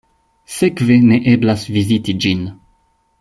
Sekve ne eblas viziti ĝin.